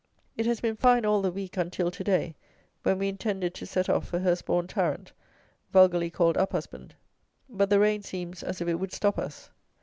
_ It has been fine all the week until to day, when we intended to set off for Hurstbourn Tarrant, vulgarly called Uphusband, but the rain seems as if it would stop us.